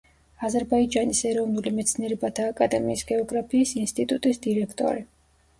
აზერბაიჯანის ეროვნული მეცნიერებათა აკადემიის გეოგრაფიის ინსტიტუტის დირექტორი.